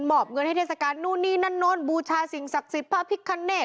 อบเงินให้เทศกาลนู่นนี่นั่นนู่นบูชาสิ่งศักดิ์สิทธิ์พระพิคเนต